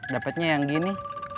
dapetnya yang gini